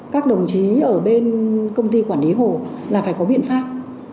các đồng chí ở bên công ty quản lý hồ là phải có biện pháp